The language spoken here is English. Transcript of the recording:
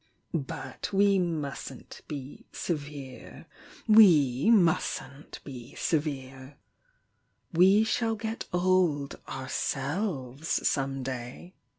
But we mustn't be severe— we mustn't be severe! We shall get old ourselves some day!"